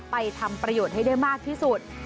ทำประโยชน์ให้ได้มากที่สุด